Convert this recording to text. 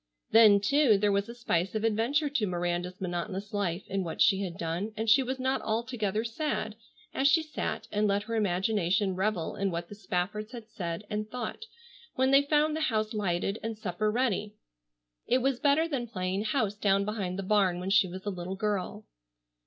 Then, too, there was a spice of adventure to Miranda's monotonous life in what she had done, and she was not altogether sad as she sat and let her imagination revel in what the Spaffords had said and thought, when they found the house lighted and supper ready. It was better than playing house down behind the barn when she was a little girl.